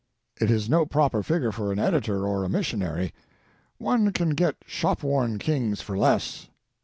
It is no proper figure for an editor or a missionary; one can get shop worn kings for less.